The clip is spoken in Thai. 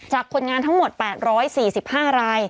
จากคนงานทั้งหมดแปดร้อยสี่สิบห้าราย